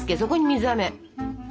ここに水あめ。